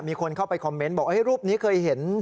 มีคนเข้าไปคอมเมนต์บอกรูปนี้เคยเห็น